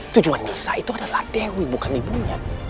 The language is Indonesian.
tujuan nisa itu adalah dewi bukan ibunya